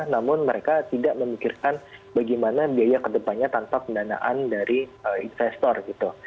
namun mereka tidak memikirkan bagaimana biaya kedepannya tanpa pendanaan dari investor gitu